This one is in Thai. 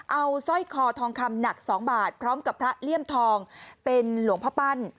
เอาสร้อยคอทองคำหนัก๒บาทพร้อมกับพระเลี่ยมทองเป็นหลวงพ่อปั้น